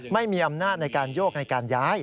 ไม่มีอำนาจในการโยกในการย้าย